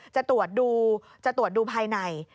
จะตรวจดูภายใน